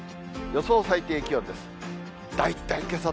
予想最低気温です。